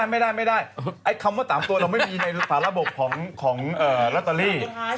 ไม่ได้ไม่ได้คำว่า๓ตัวเราไม่มีในสารบกของลอตเตอรี่